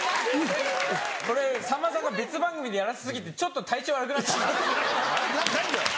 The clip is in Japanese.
これさんまさんが別番組でやらせ過ぎてちょっと体調悪くなった。